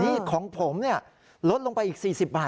นี่ของผมเนี่ยลดลงไปอีก๔๐บาท